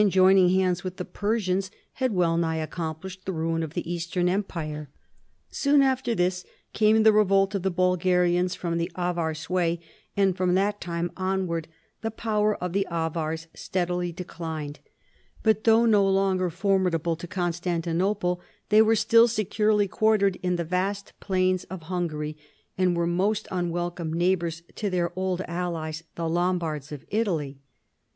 205 joining hands with the Persians, had well nigh ac complished the ruin of the eastern Empire. Soon after this came the revolt of the Bulgarians from the Avar sway, and from that time onward, the power of the Avars steadily declined, but though no longer formidable to Constantinople they were still securely quartered in tlie vast plains of Hungary, and were most unwelcome neighbors to their old allies the Lombards of Italy.